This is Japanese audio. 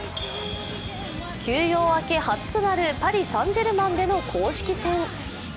休養明け初となるパリ・サン＝ジェルマンでの公式戦。